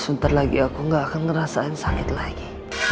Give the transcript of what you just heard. sebentar lagi aku gak akan ngerasain sakit lagi